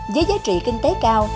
với giá trị kinh tế cao